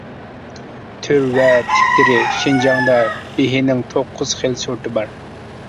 تۈر ۋە تىپلىرى شىنجاڭدا بېھىنىڭ توققۇز خىل سورتى بار.